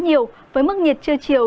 nhiều với mức nhiệt chưa chiều